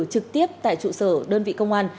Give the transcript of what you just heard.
trực tiếp tại trụ sở đơn vị công an